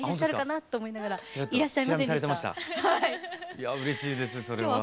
いやうれしいですそれは。